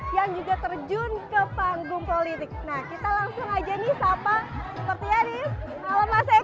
yang juga terjun ke panggung politik nah kita langsung aja nih sapa seperti anies